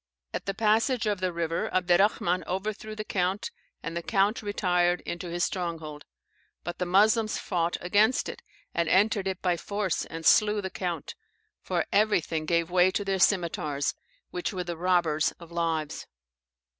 At the passage of the river, Abderrahman overthrew the count, and the count retired into his stronghold, but the Moslems fought against it, and entered it by force, and slew the count; for everything gave way to their scimetars, which were the robbers of lives.